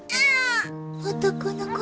男の子？